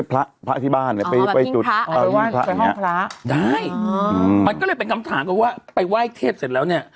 ภะที่บ้านหรือภะสงห์